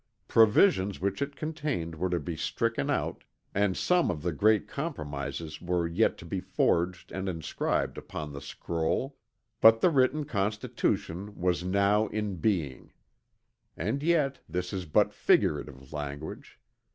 Provisions which it contained were to be stricken out, and some of the great compromises were yet to be forged and inscribed upon the scroll, but the written Constitution was now in being. And yet this is but figurative language.